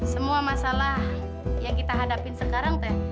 semua masalah yang kita hadapin sekarang teh